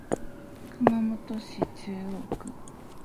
熊本市中央区